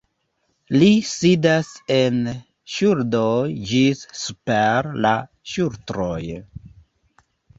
Li sidas en ŝuldoj ĝis super la ŝultroj.